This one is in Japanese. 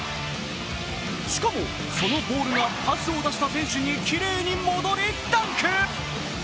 しかも、そのボールがパスを出した選手にきれいに戻り、ダンク！